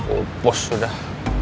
oh bos sudah